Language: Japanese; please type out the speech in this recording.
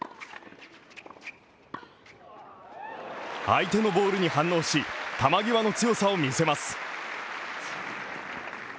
相手のボールに反応し、球際の強さを見せます。